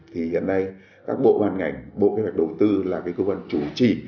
thì hiện nay các bộ hoàn ngành bộ kế hoạch đầu tư là cơ quan chủ trì